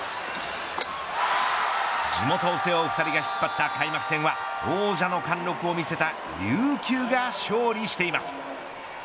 地元を背負う２人が引っ張った開幕戦は王座の貫禄を見せた琉球が勝利しています。